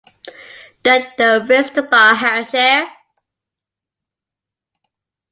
The The Raise the Bar, Hershey!